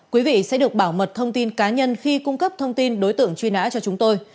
quý vị sẽ được bảo mật thông tin cá nhân khi cung cấp thông tin đối tượng truy nã cho chúng tôi